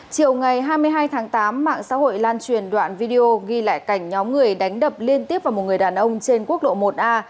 chiều ngày hai mươi hai tháng tám mạng xã hội lan truyền đoạn video ghi lại cảnh nhóm người đánh đập liên tiếp vào một người đàn ông trên quốc lộ một a